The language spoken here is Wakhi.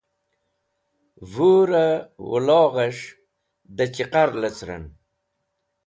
Vurẽ wẽloghẽs̃h dẽ chẽqar lecrẽn.